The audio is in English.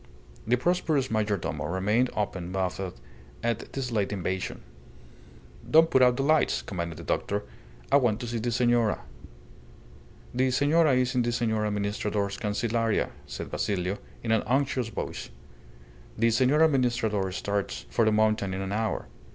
The prosperous majordomo remained open mouthed at this late invasion. "Don't put out the lights," commanded the doctor. "I want to see the senora." "The senora is in the Senor Adminstrador's cancillaria," said Basilio, in an unctuous voice. "The Senor Administrador starts for the mountain in an hour.